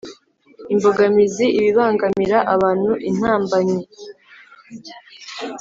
imbogamizi: ibibangamira abantu, intambamyi.